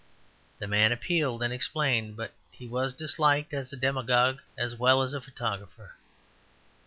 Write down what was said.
The man appealed and explained; but he was disliked as a demagogue, as well as a photographer.